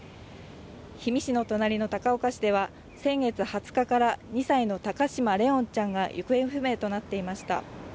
氷見市の隣の高岡市では先月２０日から２歳の高嶋怜音ちゃんが行方不明となっていました。